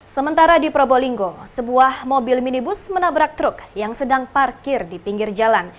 sementara di probolinggo sebuah mobil minibus menabrak truk yang sedang parkir di pinggir jalan